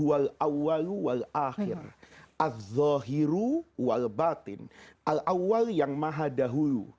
al akhir yang maha dahulu